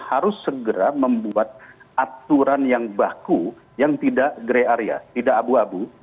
harus segera membuat aturan yang baku yang tidak grey area tidak abu abu